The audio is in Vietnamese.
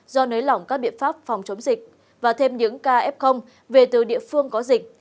do nới lỏng các biện pháp phòng chống dịch và thêm những caf về từ địa phương có dịch